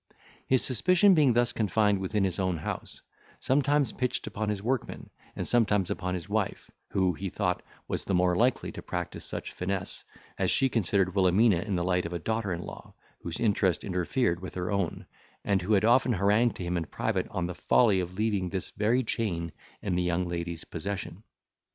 His suspicion being thus confined within his own house, sometimes pitched upon his workmen, and sometimes upon his wife, who, he thought, was the more likely to practise such finesse, as she considered Wilhelmina in the light of a daughter in law, whose interest interfered with her own, and who had often harangued to him in private on the folly of leaving this very chain in the young lady's possession.